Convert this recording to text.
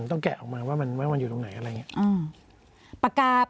ต้องแกะออกมาว่ามันอยู่ตรงไหนอะไรอย่างนี้